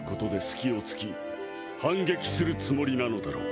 隙を突き反撃するつもりなのだろう。